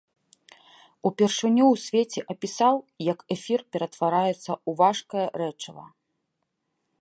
Упершыню ў свеце апісаў, як эфір ператвараецца ў важкае рэчыва.